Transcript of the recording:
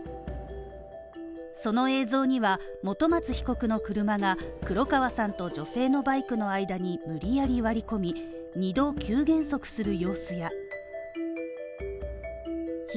その映像には、本松被告の車が黒川さんと女性のバイクの間に無理やり割り込み、二度急加速して近づき